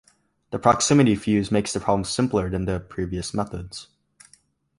The proximity fuze makes the problem simpler than the previous methods.